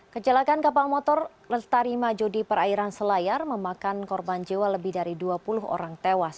kecelakaan kapal motor lestari maju di perairan selayar memakan korban jiwa lebih dari dua puluh orang tewas